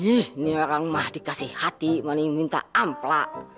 ih nih orang mah dikasih hati mani minta ampla